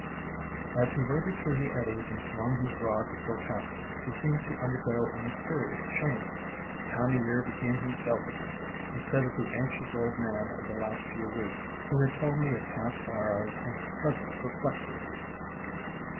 As he waded through the eddies and swung his 32O THE DRAPERY OF VINES rod before casting, he seemed to undergo a mys terious change. Time o' Year became himself again, instead of the anxious old man of the last few weeks who had told me of past sorrows and present perplexities.